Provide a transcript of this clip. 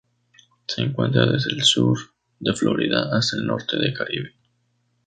Se encuentra desde el sur de Florida hasta el norte del Caribe.